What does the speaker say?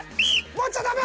持っちゃダメ！